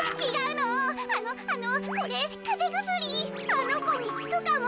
あのこにきくかも。